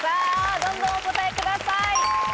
どんどんお答えください。